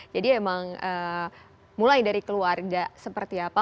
jadi emang mulai dari keluarga seperti apa